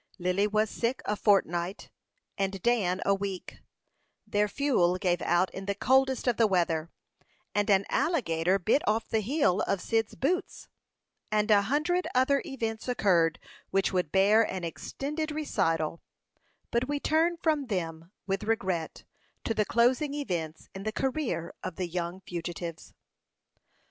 Lily was sick a fortnight, and Dan a week; their fuel gave out in the coldest of the weather; and an alligator bit off the heel of Cyd's boots; and a hundred other events occurred which would bear an extended recital; but we turn from them, with regret, to the closing events in the career of the young fugitives.